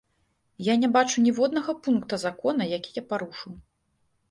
Я не бачу ніводнага пункта закона, які я парушыў.